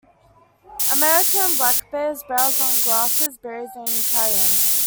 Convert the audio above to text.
American black bears browse on grasses, berries, and carrion.